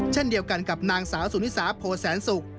เช่นเดียวกันกับนางสาวสุนิสาโพแสนศุกร์